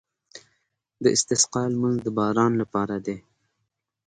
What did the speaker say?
د استسقا لمونځ د باران لپاره دی.